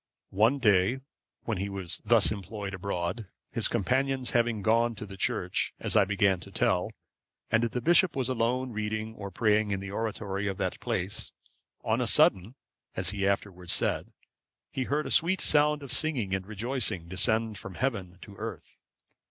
One day, when he was thus employed abroad, his companions having gone to the church, as I began to tell, and the bishop was alone reading or praying in the oratory of that place, on a sudden, as he afterwards said, he heard a sweet sound of singing and rejoicing descend from heaven to earth.